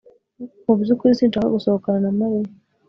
Mu byukuri sinshaka gusohokana na Mariya